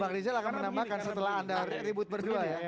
bang rizal akan menambahkan setelah anda ribut berdua ya